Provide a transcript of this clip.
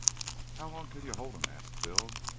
"How long can you hold him?" asks Bill.